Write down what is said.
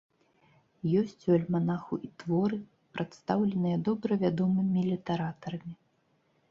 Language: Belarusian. Ёсць у альманаху і творы, прадстаўленыя добра вядомымі літаратарамі.